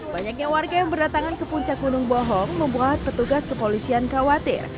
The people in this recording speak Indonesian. banyaknya warga yang berdatangan ke puncak gunung bohong membuat petugas kepolisian khawatir